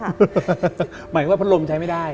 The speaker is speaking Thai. หมายถึงว่าพัดลมใช้ไม่ได้